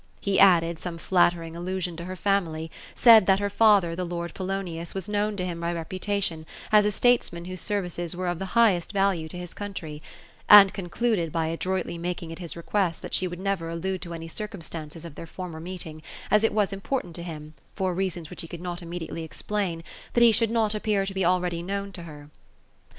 He added some flattering allusion to her family ; said that her father, the lord Polonius, was known to him by reputation, as a states man whose services were of the highest value to his country ; and con cluded by adroitly making it his request that she would never allude to any circumstances of their former meeting, as it was important to him, for reasons which he could not immediately explain^ that he should not appear to be already known to her.